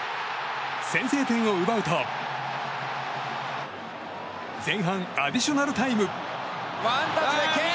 先制点を奪うと前半アディショナルタイム。